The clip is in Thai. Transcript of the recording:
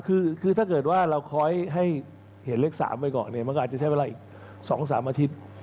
คือถ้าเกิดว่าเราคอยให้เห็นเลข๓ไปก่อนเนี่ยมันก็อาจจะใช้เวลาอีก๒๓อาทิตย์